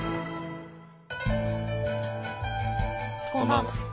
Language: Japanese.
こんばんは。